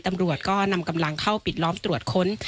ตำรวจก็นำกำลังเข้าปิดล้อมตรวจค้น